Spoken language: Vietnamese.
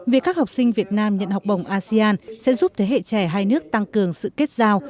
việc các học sinh việt nam nhận học bổng asean sẽ giúp thế hệ trẻ hai nước tăng cường sự kết giao